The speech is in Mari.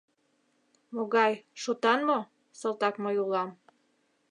Могай — шотан мо? — салтак мый улам.